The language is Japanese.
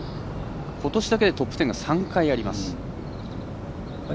ことしだけでトップ１０が３回あります、大岩選手。